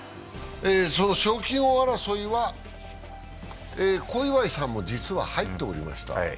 賞金王争いは小祝さんも実は入っておりました。